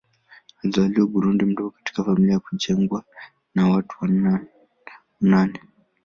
Alizaliwa Burundi mdogo katika familia yenye kujengwa na watu wa nane.